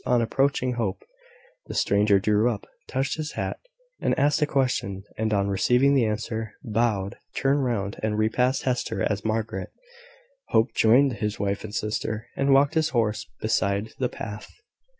On approaching Hope, the stranger drew up, touched his hat, and asked a question; and on receiving the answer, bowed, turned round, and repassed Hester and Margaret. Hope joined his wife and sister, and walked his horse beside the path.